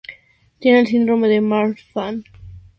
Tiene el síndrome de Marfan.